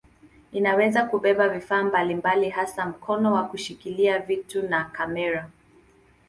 Inaweza kubeba vifaa mbalimbali hasa mkono wa kushikilia vitu na kamera.